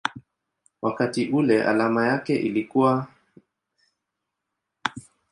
wakati ule alama yake ilikuwa µµ.